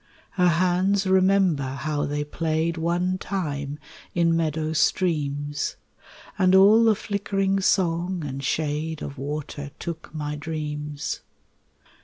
Her hands remember how they played One time in meadow streams, And all the flickering song and shade Of water took my dreams.